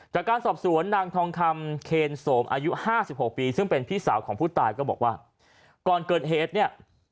จากการสอบสวนนางทองคำเคนโสมอายุห้าสิบหกปีซึ่งเป็นพี่สาวของผู้ตายก็บอกว่าก่อนเกิดเหตุเนี่ย